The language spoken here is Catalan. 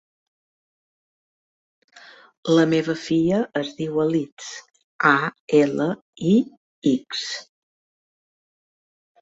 La meva filla es diu Alix: a, ela, i, ics.